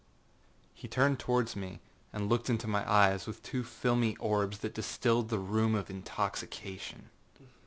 â He turned towards me, and looked into my eyes with two filmy orbs that distilled the rheum of intoxication.